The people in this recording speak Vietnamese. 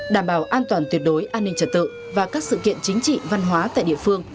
đảm bảo an toàn tuyệt đối an ninh trật tự và các sự kiện chính trị văn hóa tại địa phương